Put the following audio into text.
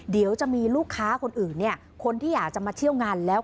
เดี๋ยวจะมีลูกค้าคนอื่นเนี่ยคนที่อยากจะมาเที่ยวงานแล้ว